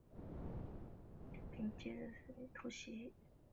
掷弹兵接着向山丘突袭。